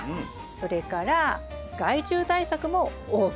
それから害虫対策もＯＫ。